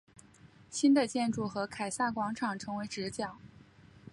新的建筑和凯撒广场成为直角。